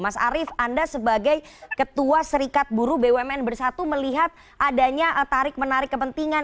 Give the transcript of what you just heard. mas arief anda sebagai ketua serikat buru bumn bersatu melihat adanya tarik menarik kepentingan